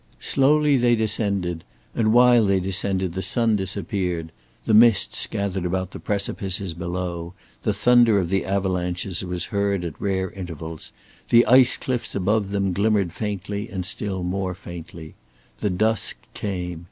Slowly they descended, and while they descended the sun disappeared, the mists gathered about the precipices below, the thunder of the avalanches was heard at rare intervals, the ice cliffs above them glimmered faintly and still more faintly. The dusk came.